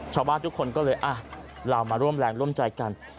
ชาวบ้านทุกคนก็เลยเรามาร่วมแรงร่วมใจกัน